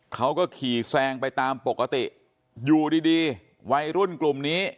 เขาก็ขี่แซงไปตามปกติอยู่ดีดีวัยรุ่นกลุ่มนี้